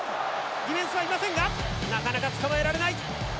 ディフェンスはいませんがなかなか捕まえられない。